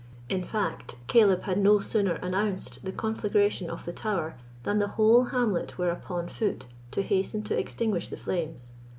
In fact, Caleb had no sooner announced the conflagration of the tower than the whole hamlet were upon foot to hasten to extinguish the flames.